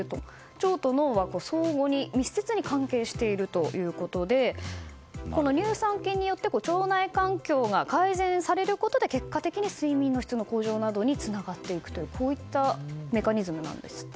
腸と脳は密接に関係しているということで乳酸菌によって腸内環境が改善されることで結果的に睡眠の質の向上などにつながっていくというこういったメカニズムなんですって。